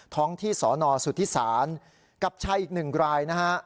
ท้องที่สนสุธิศาลกับชายอีกหนึ่งรายนะฮะ